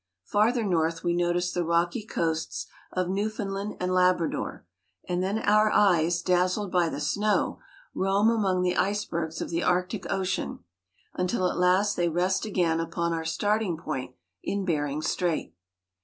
Farther north we notice the rocky coasts of Newfoundland and Labrador ; and then our eyes, dazzled by the snow, roam among the icebergs of the Arctic Ocean until at last they rest again upon our starting point in Bering Strait.